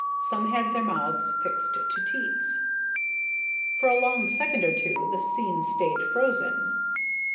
Some had their mouths fixed to teats. For a long second or two the scene stayed frozen.